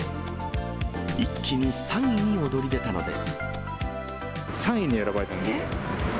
一気に３位に躍り出たのです。